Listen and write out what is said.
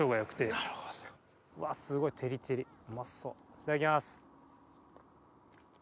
いただきます！